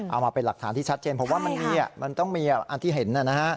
เอามาเป็นหลักฐานที่ชัดเจนเพราะว่ามันมีมันต้องมีอันที่เห็น